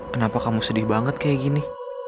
kenapa kamu sedih banget kayak gini